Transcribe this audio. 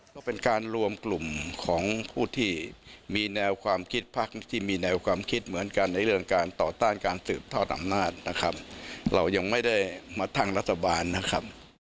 ก็เป็นการรวมกลุ่มของผู้ที่มีแนวความคิดพักที่มีแนวความคิดเหมือนกันในเรื่องการต่อต้านการสืบทอดอำนาจนะครับเรายังไม่ได้มาตั้งรัฐบาลนะครับ